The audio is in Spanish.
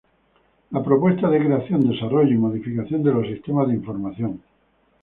La propuesta de creación, desarrollo y modificación de los sistemas de información.